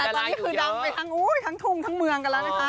ตอนนี้คือดังไปทั้งทุ่งทั้งเมืองกันแล้วนะคะ